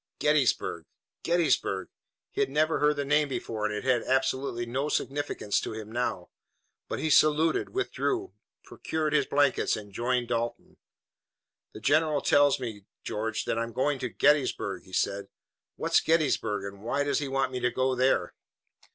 Gettysburg! Gettysburg! He had never heard the name before and it had absolutely no significance to him now. But he saluted, withdrew, procured his blankets and joined Dalton. "The General tells me, George, that I'm to go to Gettysburg," he said. "What's Gettysburg, and why does he want me to go there?"